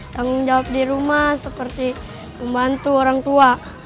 tanggung jawab di rumah seperti membantu orang tua